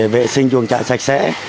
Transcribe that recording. vệ sinh chuồng chạy sạch sẽ